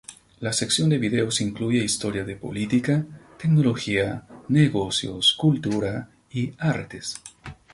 La sección de videos incluye historias de política, tecnología, negocios, cultura y artes.